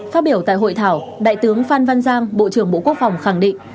phát biểu tại hội thảo đại tướng phan văn giang bộ trưởng bộ quốc phòng khẳng định